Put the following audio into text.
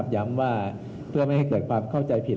ย้ำว่าเพื่อไม่ให้เกิดความเข้าใจผิด